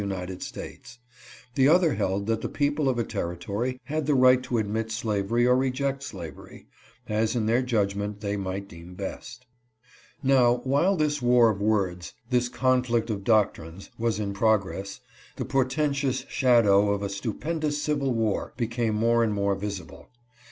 United States ; the other held that the people of a terri tory had the right to admit slavery or reject slavery, as in their judgment they might deem best. Now, while this war of words — this conflict of doctrines — was in progress, the portentous shadow of a stupendous civil war became more and more visible.